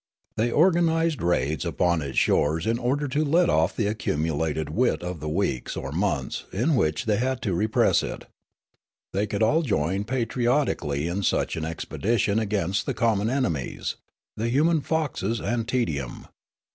They organised raids upon its shores in order to let off the accumulated wit of the weeks or months in which they had had to repress it. They could all join patriotically in such an expedition against the connnon enemies, the human foxes and tedium.